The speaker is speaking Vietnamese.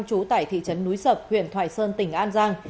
chú tài thị trấn núi sập huyện thoại sơn tỉnh an giang